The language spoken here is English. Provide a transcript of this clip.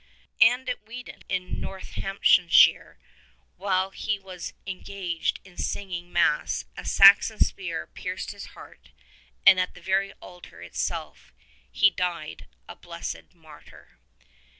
And at Weedon in Northamptonshire, while he was en gaged in singing Mass a Saxon spear pierced his heart and at the very altar itself he died a blessed martyr.